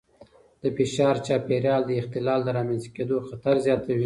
د فشار چاپېریال د اختلال د رامنځته کېدو خطر زیاتوي.